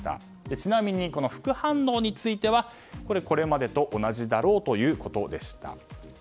ちなみに、副反応についてはこれまでと同じだろうということでした。